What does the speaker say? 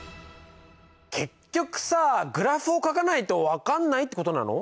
結局さグラフをかかないと分かんないってことなの？